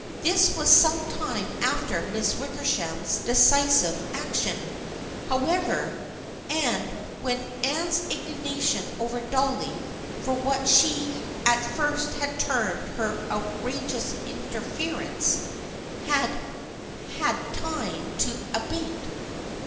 This was some time after Miss Wickersham's deci sive action, however, and when Anne's indigna tion with Dolly for what she at first had termed her " outrageous interference " had had time to abate.